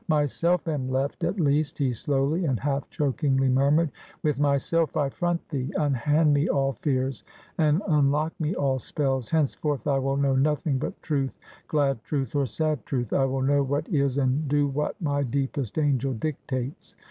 "Myself am left, at least," he slowly and half chokingly murmured. "With myself I front thee! Unhand me all fears, and unlock me all spells! Henceforth I will know nothing but Truth; glad Truth, or sad Truth; I will know what is, and do what my deepest angel dictates.